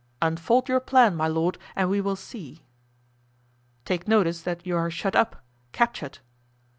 "Unfold your plan, my lord, and we will see." "Take notice that you are shut up—captured."